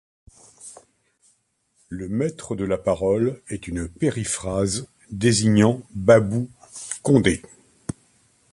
Le maître de la parole est une périphrase désignant Babou Condé.